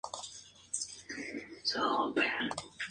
Cuando el proceso fue abierto en St.